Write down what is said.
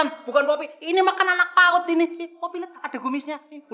dua duanya makanan khas wudhu contoh makanan